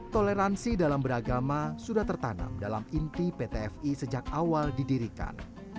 toleransi dalam beragama sudah tertanam dalam inti pt fi sejak awal didirikan